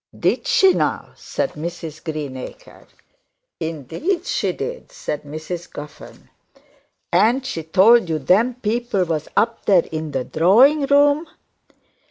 'Did she now?' said Mrs Greenacre. 'Indeed she did,' said Mrs Guffern. 'And she told you them people was up there in the drawing room?'